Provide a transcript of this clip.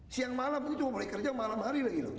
siang malam itu boleh kerja malam hari lagi loh